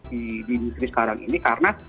di industri sekarang ini karena